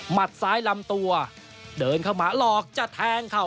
ซ้ายลำตัวเดินเข้ามาหลอกจะแทงเข่า